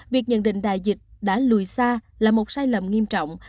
việc nhận định đại dịch đã lùi xa là một sai lầm nghiêm trọng